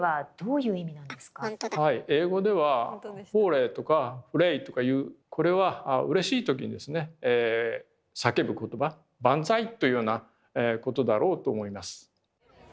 英語では「ｈｏｏｒａｙ」とか「ｈｕｒｒａｙ」とかいうこれはうれしい時にですね叫ぶ言葉「万歳」というようなことだろうと思います。